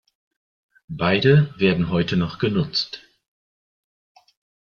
Beide werden heute noch genutzt.